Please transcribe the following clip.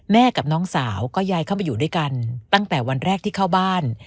กับน้องสาวก็ย้ายเข้ามาอยู่ด้วยกันตั้งแต่วันแรกที่เข้าบ้าน